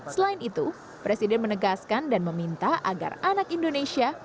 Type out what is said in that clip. selain itu presiden menegaskan dan meminta agar anak indonesia